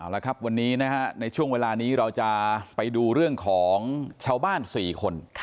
แล้วครับวันนี้นะฮะในช่วงเวลานี้เราจะไปดูเรื่องของชาวบ้าน๔คน